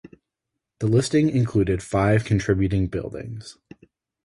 The listing included five contributing buildings.